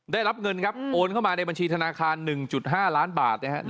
ได้รับเงินครับโอนเข้ามาในบัญชีธนาคาร๑๕ล้านบาทนะครับ